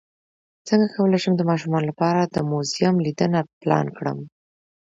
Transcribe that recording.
څنګه کولی شم د ماشومانو لپاره د موزیم لیدنه پلان کړم